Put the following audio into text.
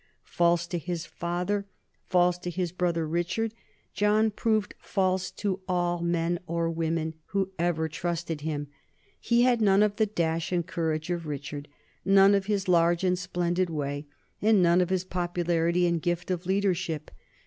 False to his father, false to his brother Richard, John proved false to all, man or woman, who ever trusted him. He had none of the dash and courage of Richard, none of his large and splendid way, and none of his popularity and gift of leadership.